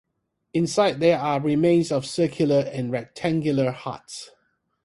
Inside there are the remains of circular and rectilinear huts.